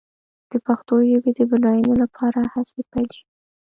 د پښتو ژبې د بډاینې لپاره هڅې پيل شوې.